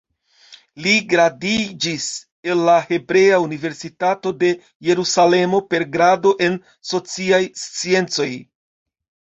Li gradiĝis el la Hebrea Universitato de Jerusalemo per grado en sociaj sciencoj.